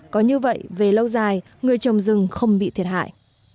có như vậy về lâu dài người trồng rừng không bị thiệt hại